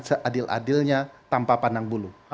seadil adilnya tanpa pandang bulu